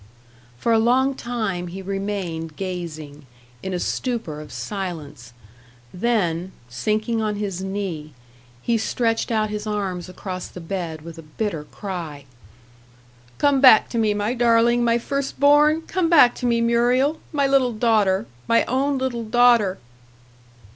For a long time he remained gazing, in a stupor of silence; then, sinking on his knee, he stretched out his arms across the bed, with a bitter cry: "Come back to me, my darling, my first born! Come back to me, Muriel, my little daughter my own little daughter!"